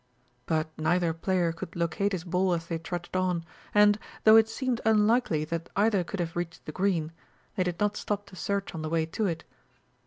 But neither player could locate his ball as they trudged on, and, though it seemed unlikely that either could have reached the green, they did not stop to search on the way to it.